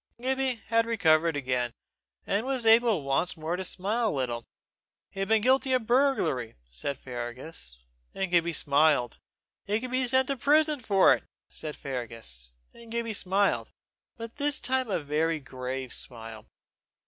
Gibbie had recovered again, and was able once more to smile a little. He had been guilty of burglary, said Fergus; and Gibbie smiled. He could be sent to prison for it, said Fergus; and Gibbie smiled but this time a very grave smile.